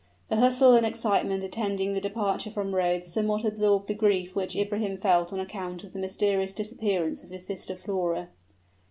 The hustle and excitement attending the departure from Rhodes somewhat absorbed the grief which Ibrahim felt on account of the mysterious disappearance of his sister Flora.